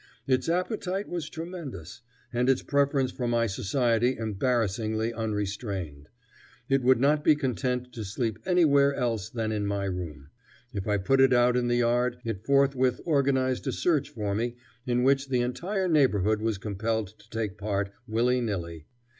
Its appetite was tremendous, and its preference for my society embarrassingly unrestrained. It would not be content to sleep anywhere else than in my room. If I put it out in the yard, it forthwith organized a search for me in which the entire neighborhood was compelled to take part, willy nilly.